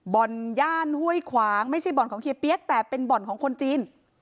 ย่านห้วยขวางไม่ใช่บ่อนของเฮียเปี๊ยกแต่เป็นบ่อนของคนจีน